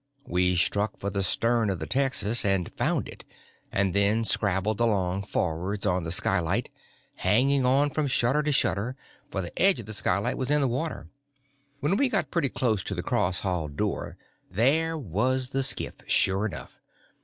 We struck for the stern of the texas, and found it, and then scrabbled along forwards on the skylight, hanging on from shutter to shutter, for the edge of the skylight was in the water. When we got pretty close to the cross hall door there was the skiff, sure enough!